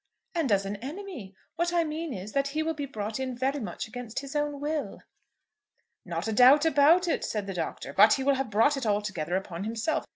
"And as an enemy. What I mean is, that he will be brought in very much against his own will." "Not a doubt about it," said the Doctor. "But he will have brought it altogether upon himself.